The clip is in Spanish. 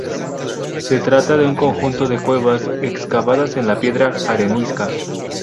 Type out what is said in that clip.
Se trata de un conjunto de cuevas excavadas en la piedra arenisca.